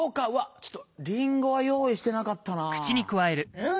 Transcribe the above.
ちょっとリンゴは用意してなかったなぁ。